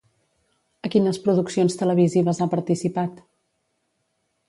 A quines produccions televisives ha participat?